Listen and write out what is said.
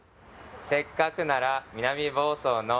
「せっかくなら南房総の」